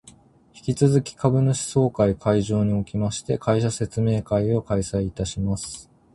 引き続き株主総会会場におきまして、会社説明会を開催いたします